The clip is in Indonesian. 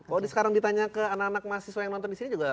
kalau sekarang ditanya ke anak anak mahasiswa yang nonton disini juga